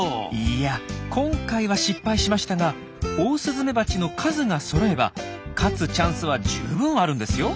いや今回は失敗しましたがオオスズメバチの数がそろえば勝つチャンスは十分あるんですよ。